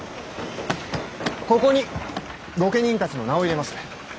ここに御家人たちの名を入れます。